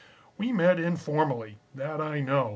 "We met informally. That I know.